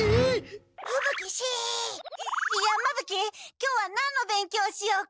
今日は何の勉強しようか？